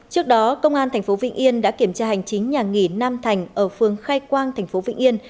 trước đó công an tp vĩnh yên đã kiểm tra hành chính nhà nghỉ nam thành ở phương khai quang thành phố vĩnh yên